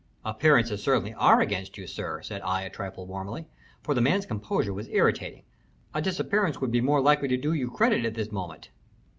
"Appearances certainly are against you, sir," said I, a trifle warmly, for the man's composure was irritating. "A disappearance would be more likely to do you credit at this moment."